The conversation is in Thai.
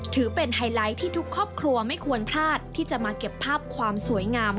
ถือเป็นไฮไลท์ที่ทุกครอบครัวไม่ควรพลาดที่จะมาเก็บภาพความสวยงาม